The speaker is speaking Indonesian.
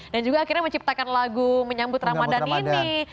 dan juga akhirnya menciptakan lagu menyambut ramadhan ini